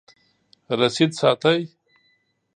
رسید ساتئ؟